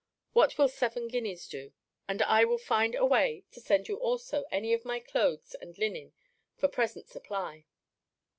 What will seven guineas do? And I will find a way to send you also any of my clothes and linen for present supply.